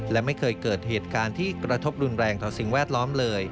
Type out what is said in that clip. และไม่เคยเกิดเหตุการณ์ที่กระทบรุนแรงต่อสิ่งแวดล้อมเลย